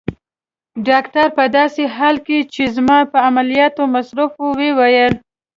ډاکټر په داسې حال کې چي زما په عملیاتو مصروف وو وویل.